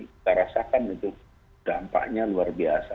kita rasakan itu dampaknya luar biasa